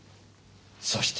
そして。